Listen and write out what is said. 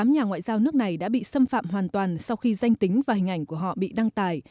tám nhà ngoại giao nước này đã bị xâm phạm hoàn toàn sau khi danh tính và hình ảnh của họ bị đăng tải